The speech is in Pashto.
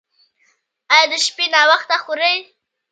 ایا د شپې ناوخته خورئ؟